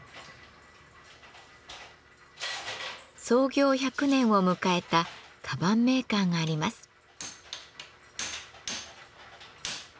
創業１００年を迎えた鞄メーカーがあります。